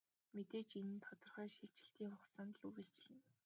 Мэдээж энэ нь тодорхой шилжилтийн хугацаанд л үргэлжилнэ.